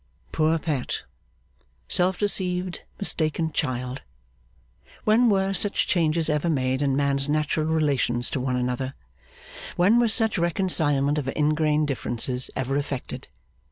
Poor Pet! Self deceived, mistaken child! When were such changes ever made in men's natural relations to one another: when was such reconcilement of ingrain differences ever effected!